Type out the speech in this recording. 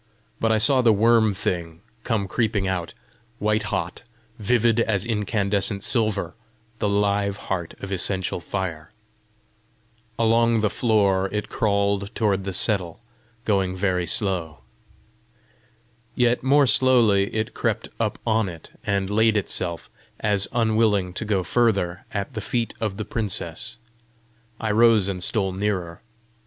But I saw the worm thing come creeping out, white hot, vivid as incandescent silver, the live heart of essential fire. Along the floor it crawled toward the settle, going very slow. Yet more slowly it crept up on it, and laid itself, as unwilling to go further, at the feet of the princess. I rose and stole nearer.